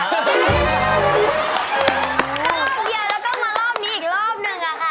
ก็รอบเดียวแล้วก็มารอบนี้อีกรอบหนึ่งอะค่ะ